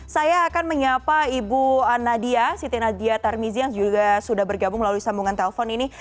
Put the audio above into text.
saya akan menyapa ibu nadia siti nadia tarmizi yang juga sudah bergabung melalui sambungan telpon ini